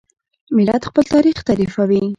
ملت خپل تاریخ تحریفوي.